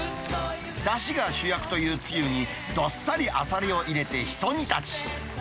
だしが主役というつゆに、どっさりあさりを入れてひと煮立ち。